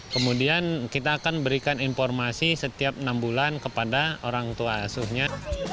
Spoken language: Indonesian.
kemudian kita akan berikan informasi setiap enam bulan kepada orang tua asuhnya